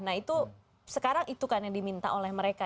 nah itu sekarang itu kan yang diminta oleh mereka